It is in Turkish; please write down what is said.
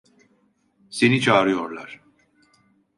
Seni çağırıyorlar.